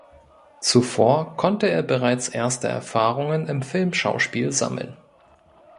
Zuvor konnte er bereits erste Erfahrungen im Filmschauspiel sammeln.